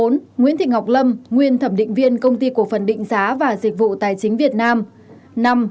bốn nguyễn thị ngọc lâm nguyên thẩm định viên công ty cổ phần định giá và dịch vụ tài chính việt nam